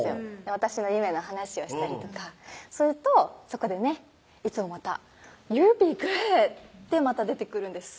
私の夢の話をしたりとかするとそこでねいつもまた「Ｙｏｕｗｉｌｌｂｅｇｏｏｄ」ってまた出てくるんです